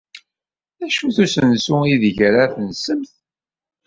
D acu n usensu aydeg ara tensemt?